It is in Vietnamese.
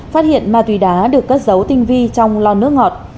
phát hiện ma tùy đá được cất dấu tinh vi trong lon nước ngọt